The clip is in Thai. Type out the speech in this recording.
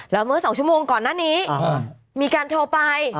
แล้วเมื่อ๒ชั่วโมงก่อนหน้านี้มีการโทรไป